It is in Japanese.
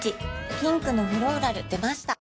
ピンクのフローラル出ました